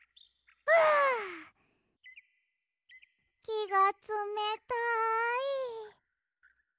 きがつめたい！